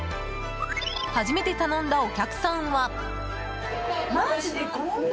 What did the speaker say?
初めて頼んだお客さんは。